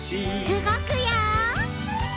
うごくよ！